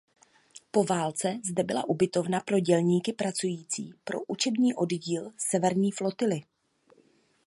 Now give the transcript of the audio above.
Po válce zde byla ubytovna pro dělníky pracující pro Učební oddíl Severní flotily.